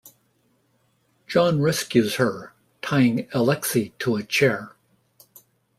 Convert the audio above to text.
John rescues her, tying Alexei to a chair.